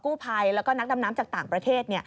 ภัยแล้วก็นักดำน้ำจากต่างประเทศ